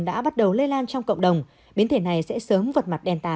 đã bắt đầu lây lan trong cộng đồng biến thể này sẽ sớm vật mặt delta